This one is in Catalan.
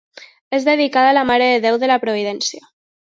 És dedicada a la Mare de Déu de la Providència.